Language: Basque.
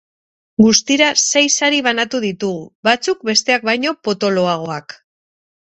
Guztira sei sari banatu ditugu, batzuk besteak baino potoloagoak.